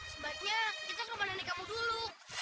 sebaiknya kita ke rumah nenek kamu dulu